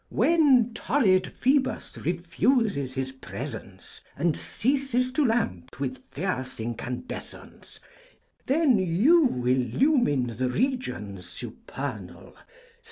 When torrid Phoebus refuses his presence And ceases to lamp with fierce incandescence^ Then you illumine the regions supernal.